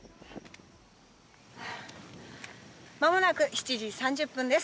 間もなく７時３０分です。